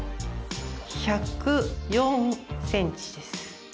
１０４ｃｍです。